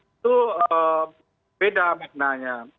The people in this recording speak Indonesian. itu beda maknanya